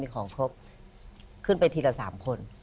ของครบขึ้นไปทีละ๓คน